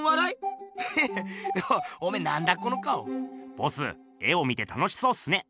ボス絵を見て楽しそうっすね。